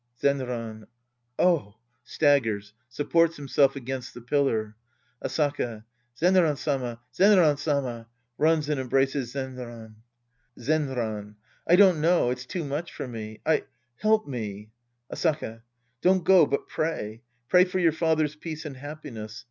Zenran. Oh. {Staggers. Supports himself against the pillar.) Asaka. Zenran Sama ! Zenran Sama ! {Runs and embraces Zenran.) Zenran. I don't know. It's toj much for me. I — help me. Asaka. Don't go, but pray. Pray for your father's peace and happiness.